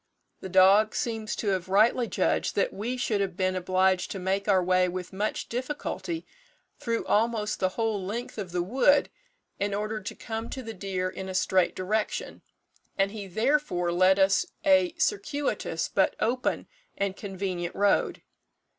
The dog seems to have rightly judged that we should have been obliged to make our way with much difficulty through almost the whole length of the wood, in order to come to the deer in a straight direction, and he therefore led us a circuitous but open and convenient road.